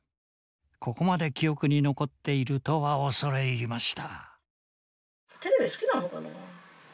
ここまで記憶に残っているとは恐れ入りました。